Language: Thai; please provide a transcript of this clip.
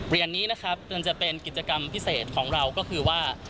เรียนนี้จะเป็นกิจกรรมพิเศษของเราก็คือว่า